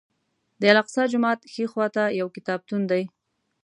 د الاقصی جومات ښي خوا ته یو کتابتون دی.